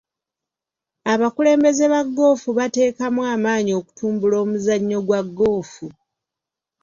Abakulembeze ba goofu bateekamu amaanyi okutumbula omuzannyo gwa goofu.